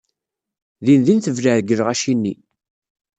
Dindin tebleɛ deg lɣaci-nni.